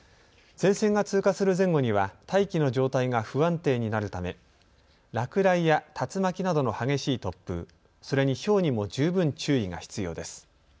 前線が通過する前後には大気の状態が不安定になるため落雷や竜巻などの激しい突風、それに、ひょうにも十分注意が必要です。